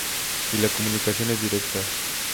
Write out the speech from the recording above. Y la comunicación es directa.